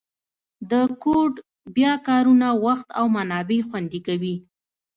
د کوډ بیا کارونه وخت او منابع خوندي کوي.